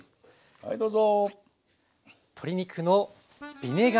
はいどうぞ。